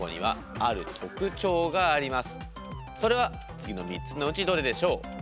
次の３つのうちどれでしょう。